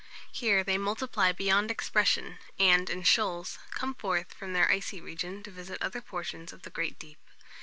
Here they multiply beyond expression, and, in shoals, come forth from their icy region to visit other portions of the great deep.